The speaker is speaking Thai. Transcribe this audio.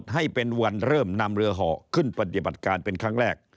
ให้เป็นวันเริ่มนำเรือห่อขึ้นปฏิบัติการเป็นครั้งแรก